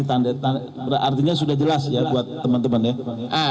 artinya sudah jelas ya buat teman teman ya